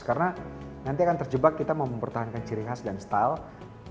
karena nanti akan terjebak kita mempertahankan ciri khas dan hal biasa